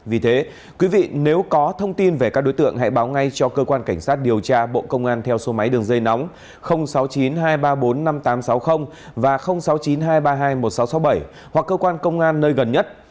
vì thế quý vị nếu có thông tin về các đối tượng hãy báo ngay cho cơ quan cảnh sát điều tra bộ công an theo số máy đường dây nóng sáu mươi chín hai trăm ba mươi bốn năm nghìn tám trăm sáu mươi và sáu mươi chín hai trăm ba mươi hai một nghìn sáu trăm sáu mươi bảy hoặc cơ quan công an nơi gần nhất